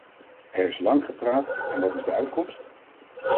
Er is lang gepraat, en wat is de uitkomst?